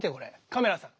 カメラさん